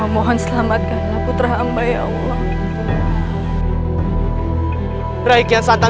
mustahil kita mengejarnya sekarang